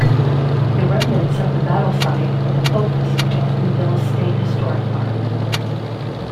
The remnants of the battle site are the focus of Johnsonville State Historic Park.